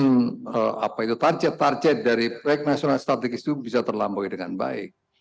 dan apa itu target target dari proyek nasional strategis itu bisa terlambaui dengan baik